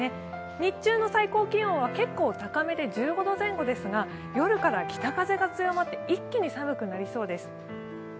日中の最高気温は結構高めで１５度前後ですが、夜から北風が強まって、一気に寒くなりそうです。